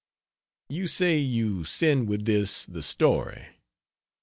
You say you "send with this" the story.